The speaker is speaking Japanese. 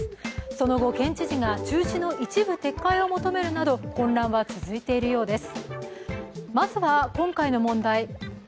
その後、県知事が中止の一部撤回を求めるなど混乱は続いているようです。